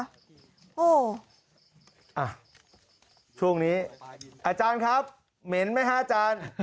ในช่วงนี้เม้นไหมอาจารย์